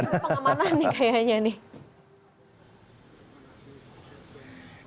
ini pengamanan nih kayaknya nih